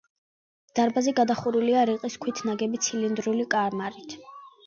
დარბაზი გადახურულია რიყის ქვით ნაგები ცილინდრული კამარით.